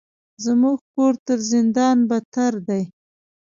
زموږ کور تر زندان بدتر ده.